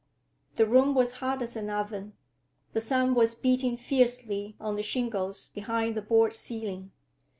The room was hot as an oven. The sun was beating fiercely on the shingles behind the board ceiling.